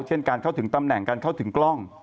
เช่นการเข้าถึงตำแหน่งการเข้าถึงกล้อง